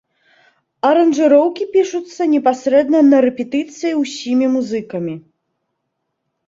Аранжыроўкі пішуцца непасрэдна на рэпетыцыі ўсімі музыкамі.